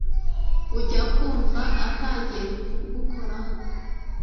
ujya kumva atangiye kugukorakoraho